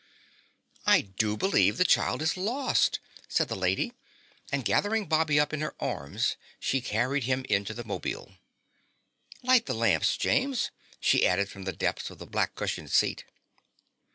"I do believe the child is lost," said the lady and gathered Bobby up in her arms and carried him into the 'mobile. "Light the lamps, James," she added from the depths of the black cushioned seat.